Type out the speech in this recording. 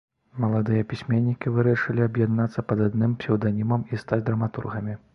Маладыя пісьменнікі вырашылі аб'яднацца пад адным псеўданімам і стаць драматургамі.